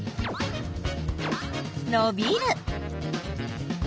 のびる。